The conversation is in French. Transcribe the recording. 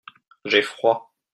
J'ai froid.